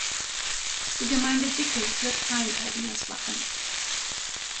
Die Gemeinde Dickel führt kein eigenes Wappen.